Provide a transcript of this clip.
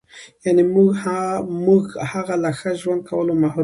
یعنې موږ هغه له ښه ژوند کولو محروم کړو.